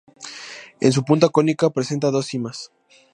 En su punta cónica presenta dos cimas.